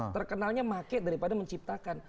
terkenalnya market daripada menciptakan